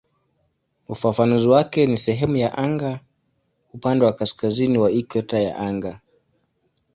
Ufafanuzi wake ni "sehemu ya anga upande wa kaskazini wa ikweta ya anga".